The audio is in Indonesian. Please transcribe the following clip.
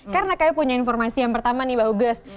karena kayaknya punya informasi yang pertama nih mbak hugus